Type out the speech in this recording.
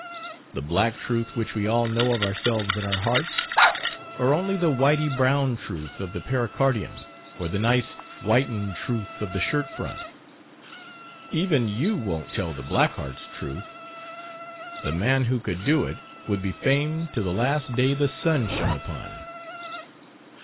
The black truth which we all know of ourselves in our hearts, or only the whity brown truth of the pericardium, or the nice, whitened truth of the shirtfront? Even you won't tell the black heart's truth. The man who could do it would be famed to the last day the sun shone upon."